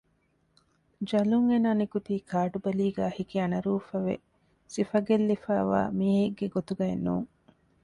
ޖަލުން އޭނާ ނިކުތީ ކާޑު ބަލީގައި ހިކި އަނަރޫފަވެ ސިފަ ގެއްލިފައިވާ މީހެއްގެ ގޮތުގައެއް ނޫން